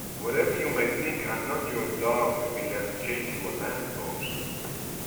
Whatever you may think I'm not your dog to be left chained to a lamppost.